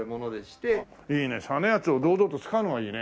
いいね実篤を堂々と使うのがいいね。